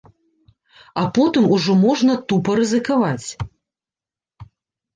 А потым ужо можна тупа рызыкаваць.